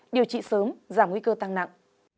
điều trị sớm giảm nguy cơ tăng nặng